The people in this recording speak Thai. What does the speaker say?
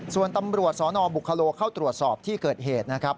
ส่วนตำรวจสนบุคโลเข้าตรวจสอบที่เกิดเหตุนะครับ